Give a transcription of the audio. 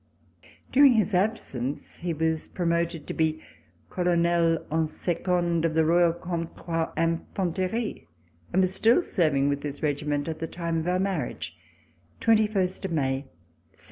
During his absence he was promoted to be Colonel en Second of the Royal Comtois Infanterie, and was still serving with this regiment at the time of our marriage, 21 May 1787.